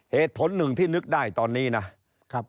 เหตุผลหนึ่งที่นึกได้ตอนนี้นะครับ